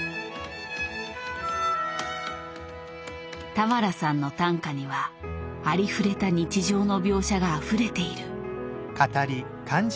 俵さんの短歌にはありふれた日常の描写があふれている。